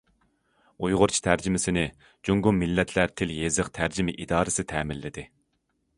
ئۇيغۇرچە تەرجىمىسىنى جۇڭگو مىللەتلەر تىل- يېزىق تەرجىمە ئىدارىسى تەمىنلىدى.